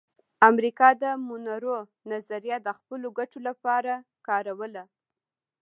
امریکا د مونرو نظریه د خپلو ګټو لپاره کاروله